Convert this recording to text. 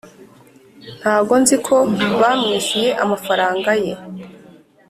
ntago nziko bamwishyuye amafaranga ye